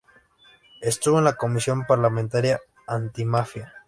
Estuvo en la Comisión parlamentaria Antimafia.